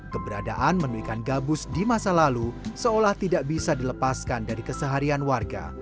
keberadaan menu ikan gabus di masa lalu seolah tidak bisa dilepaskan dari keseharian warga